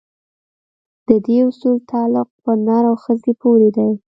د دې اصول تعلق په نر او ښځې پورې دی.